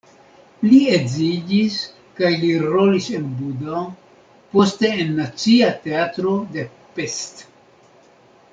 Li edziĝis kaj li rolis en Buda, poste en Nacia Teatro de Pest.